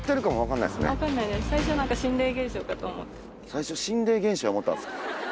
最初心霊現象や思ったんすか？